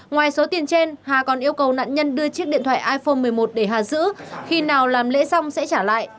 ngoài số tiền trên hà còn yêu cầu nạn nhân đưa chiếc điện thoại iphone một mươi một để hà giữ khi nào làm lễ xong sẽ trả lại